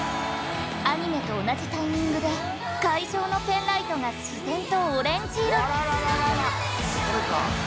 アニメと同じタイミングで会場のペンライトが自然とオレンジ色に！